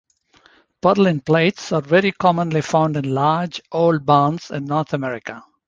Purlin plates are very commonly found in large, old barns in North America.